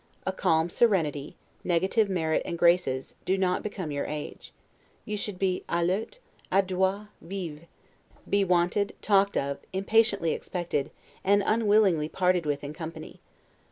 A calm serenity, negative merit and graces, do not become your age. You should be 'alerte, adroit, vif'; be wanted, talked of, impatiently expected, and unwillingly parted with in company.